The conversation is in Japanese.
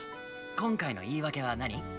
今回の言い訳は何？